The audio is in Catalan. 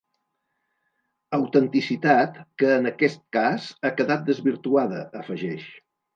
Autenticitat que en aquest cas ha quedat desvirtuada, afegeix.